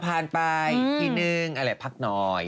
ผ่านไปทีนึงอะไรพักหน่อย